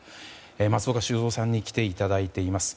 松岡修造さんに来ていただいています。